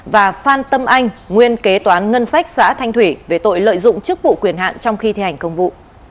và phan tâm anh nguyên kế toán ngân sách xã thanh thủy về tội lợi dụng chức vụ quyền hạn trong khi thi hành công vụ